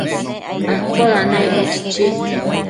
¿toda naicne?chichi